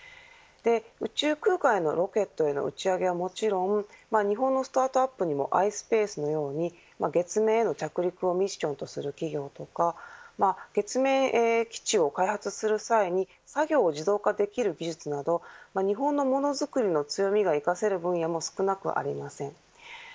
宇宙空間へのロケットの打ち上げはもちろん日本のスタートアップにもｉｓｐａｃｅのように月面への着陸をミッションとする企業とか月面基地を開発する際に作業を自動化できる技術など日本のモノづくりの強みが生かせる分野も少なくありません。